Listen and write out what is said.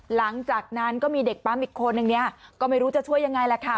หลังจากนั้นก็มีเด็กปั๊มอีกคนนึงเนี่ยก็ไม่รู้จะช่วยยังไงแหละค่ะ